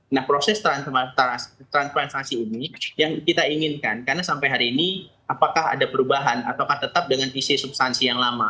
nah proses transplantasi ini yang kita inginkan karena sampai hari ini apakah ada perubahan atau tetap dengan isi substansi yang lama